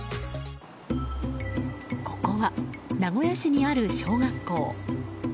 ここは、名古屋市にある小学校。